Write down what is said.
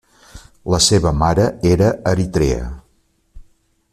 La seva mare era eritrea.